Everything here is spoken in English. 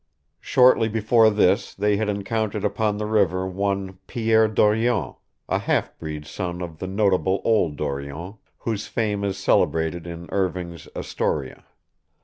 Shortly before this they had encountered upon the river one Pierre Dorion, a half breed son of the notable Old Dorion, whose fame is celebrated in Irving's "Astoria."